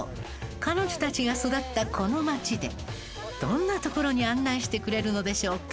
彼女たちが育ったこの町でどんな所に案内してくれるのでしょうか？